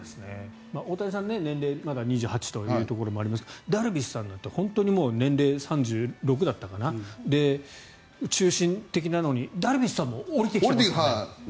大谷さん、年齢はまだ２８歳ということもありますがダルビッシュさんなんて年齢、３６だったかな中心的なのにダルビッシュさんも下りてきてくれるんですね。